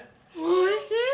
おいしい！